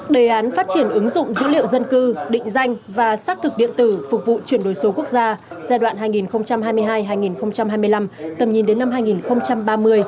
đề án phát triển ứng dụng dữ liệu dân cư định danh và xác thực điện tử phục vụ chuyển đổi số quốc gia giai đoạn hai nghìn hai mươi hai hai nghìn hai mươi năm tầm nhìn đến năm hai nghìn ba mươi